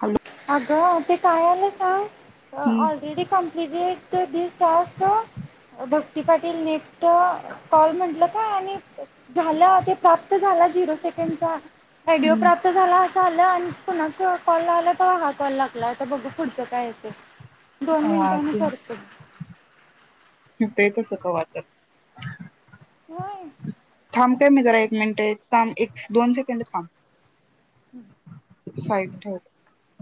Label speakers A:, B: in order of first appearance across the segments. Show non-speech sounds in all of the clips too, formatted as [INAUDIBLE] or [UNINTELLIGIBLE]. A: ह
B: अगं ते काय आलं सांग अ
A: हम्म
B: ऑलरेडी कंप्लीट दिस तस् भक्ती पाटील नेक्स्ट कॉल म्हटल काय आणि झालं ते प्राप्त झाला झिरो सेकंडचा ऑडिओ
A: हम्म
B: प्राप्त झाला असं आलं आणि पुन कॉल झाला घा कॉल लागला आता बघ पुढचं काय यं दोन
A: हा
B: मिनिटांनी करतो
A: ते तस का वा तर
B: होय
A: मी जरा एक मिनिट दोन सेकंड थांब सॉरी मी ठेवतो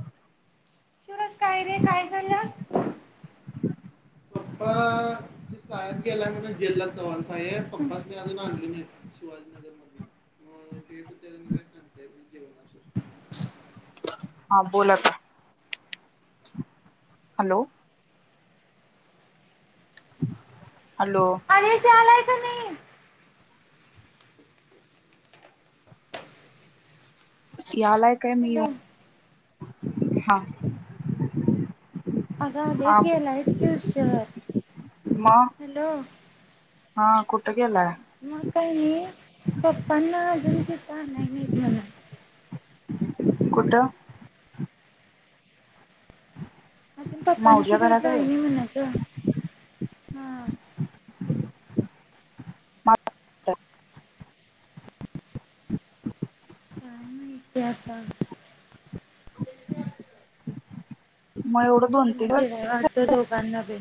B: शिराज काय रे काय झालं पप्पा ते साहेब गेल्या म्ह जेलला चवार आहे पप्पा अजून आणून शिवाजीनगर मधून म भेटते मी काय सांगतेय जेवणाच
A: हा बोला आत हॅलो हॅलो
B: अशलाय [UNINTELLIGIBLE]
A: या आलाय काय मी येऊ
B: हॅलो
A: हा
B: अग
A: हा
B: आदेश गेलाय कि उशीर
A: मग हा कुठं गेलाय
B: म काय नाही पप्पा न्ना अजून काय सांगाय नाही मला
A: कुठ
B: अजप कची
A: मावज्या
B: वटला
A: घराजवळ
B: इन म्ह नाच [UNINTELLIGIBLE] हा काय नाय
A: मग एवढं दोन तीन
B: त्याना
A: दिवस
B: जेवाय वाढतें दोगांना बी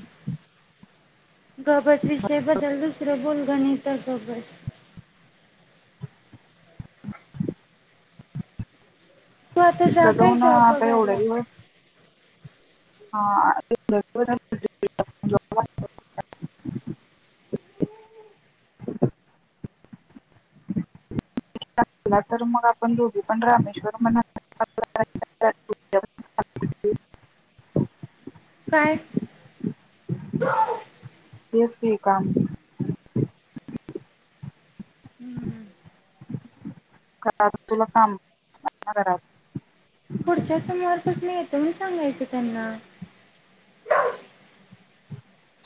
B: गबस विषयबद्दल दुसरं बोल गणित गबस तू आता जा
A: त्याचऊ
B: काय
A: ना
B: जॉब
A: आता एवढ्या
B: बघायला
A: दिवस हा [UNINTELLIGIBLE] ला तर मग आपण दोघी पण रामेश्वर म्ह
B: काय
A: ठी का आहे
B: हम्म
A: कात तुला कामात
B: पुढच्या सोमवार पासनं येतो म्हणून सांगायचं त्यांना.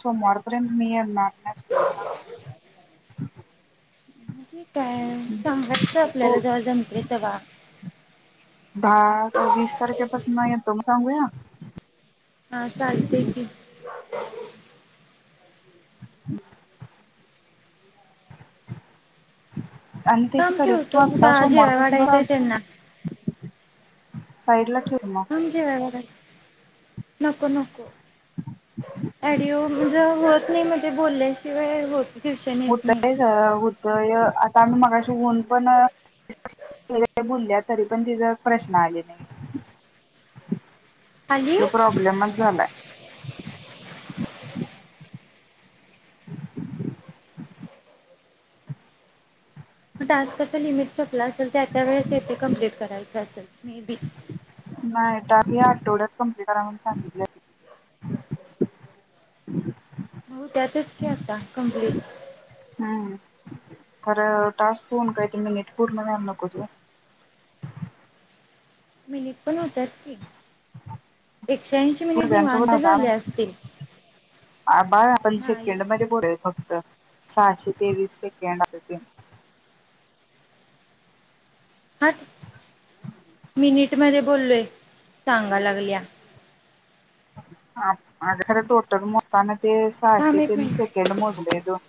A: सोमवार पर्यंत मी येणार नसेल ना.
B: काय सांगायच
A: तू
B: आपल्याला जवळ जमते तवा.
A: दहा-वीस तारखेपासन येतोय म्हणून सांगूया.
B: ह [INAUDIBLE]
A: [INAUDIBLE]
B: थांब
A: तरी तू
B: ठेवतो.
A: आत्ता
B: जेवायला वाढायचय
A: सोमवारपासून
B: त्यांना.
A: सईडला ठेव की मग.
B: थांब जेवाय वाढायचं नको.. नको. ऑडिओ म्हणजे होत. नाही म्हणजे बोलल्याशिवाय होत ट्युशन येत नाही
A: होतय ग होतय. आता आम्ही मगाशी होऊन पण बोलल्या तरी पण तिच प्रश्न आले नाही?
B: खाली
A: तो प्रॉब्लेमच झालाय. [INAUDIBLE]
B: टास्कचा लिमिट सपलं असेल. त्या-त्या वेळेस ते ते कमप्लीट करायचं असेल? मे बी
A: नाय टाकल्या तेवढ्यात कम्पुटरान सांगितल
B: होत्यातच की आता कंप्लीट.
A: हम्म खरं टास्क फोन मिनिट पूर्ण व्हायला नकोत होय.
B: मिनिट पण होतात की. एकशेऐंशी मिनिट
A: सगळ्यांसोबत
B: निवांत झाले
A: हाताळा
B: असतील? हा
A: सहाशे-ते वीस सेकंड आलते.
B: हट्ट.. मिनिट मध्ये बोलोय सांगाया लागलिया?
A: आज खर टोटल मोजताना. ते
B: थांब एक
A: सहाशे-तीन
B: मिनिट
A: सेकेड मोजले दोन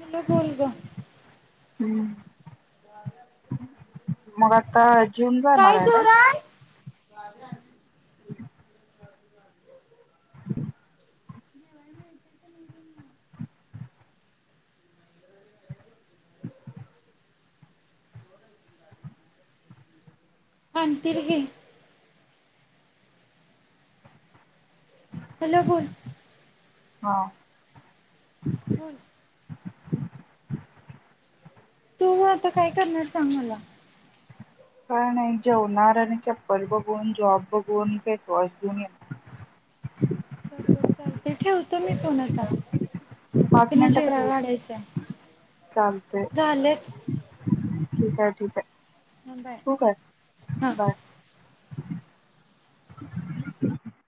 B: कुठलं दोन ग.
A: ह्म्म.. मग आता जेऊन जाणार हाय काय?
B: [INAUDIBLE] आणतील की. हॅलो बोल.
A: हा..
B: बोल. तू आता काय करणार सांग मला?
A: काय नाय. जेवणार आणि चप्पल बघून, जॉब बघून
B: बरोबर चालतय. ठेवते मी फोन आता.
A: पाच
B: तीन
A: मिनिटं तर
B: जेवायला
A: होईल
B: वाढायच.
A: चालतंय
B: झाल..
A: ठीक आहे, ठीक आहे.
B: थांब बया
A: ठेवू काय
B: हा.
A: बाय. [INAUDIBLE]